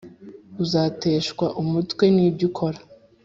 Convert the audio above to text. Uzateshwa umutwe n ibyo ukora